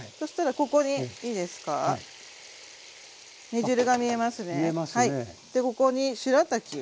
ここにしらたきを。